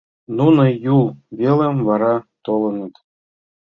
Нуно Юл велым вара толыныт.